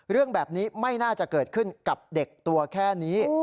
เรื่องแบบนี้ไม่น่าจะเกิดขึ้นกับเด็กตัวแค่นี้